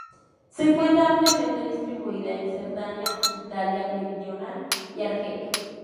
Se encuentra ampliamente distribuida en Cerdeña, Italia meridional, y Argelia.